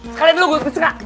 sekalian lu gua setir kak